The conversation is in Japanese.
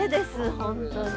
本当に。